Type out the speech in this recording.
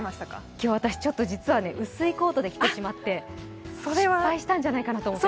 今日、私、ちょっと実は薄いコートで来てしまって、失敗したんじゃないかと思って。